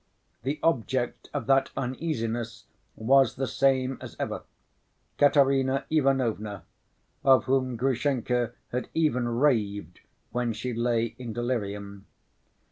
The object of that uneasiness was the same as ever—Katerina Ivanovna, of whom Grushenka had even raved when she lay in delirium.